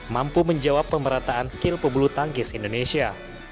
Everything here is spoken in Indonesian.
mampu menjawab pemerataan skill pebulu tangkis indonesia